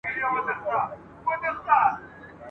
خدایه کشکي مي دا شپه نه ختمېدلای ..